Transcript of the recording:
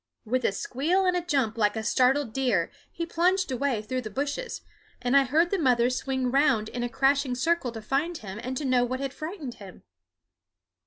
With a squeal and a jump like a startled deer he plunged away through the bushes, and I heard the mother swing round in a crashing circle to find him and to know what had frightened him.